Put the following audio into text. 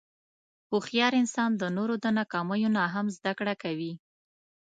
هوښیار انسان د نورو د ناکامیو نه هم زدهکړه کوي.